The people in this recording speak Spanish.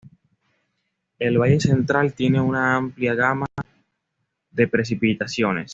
El valle Central tiene una amplia gama de precipitaciones.